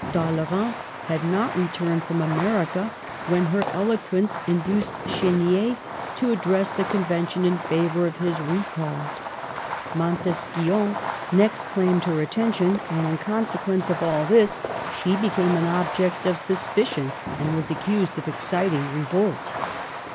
Talleyrand had not returned from America when her eloquence induced Chdnier to address the Convention in favor of his recall. Montesquion next claimed her attention, and in consequence of all this she Digitized by VjOOQLC THE TRANSFORMED CAPITAL, 8 1 became an object of suspicion and was accused of exciting revolt.